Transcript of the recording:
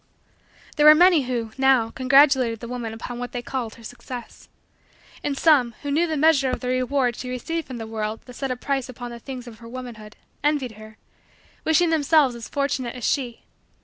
There were many who, now, congratulated the woman upon what they called her success. And some, who knew the measure of the reward she received from the world that set a price upon the things of her womanhood, envied her; wishing themselves as fortunate as she.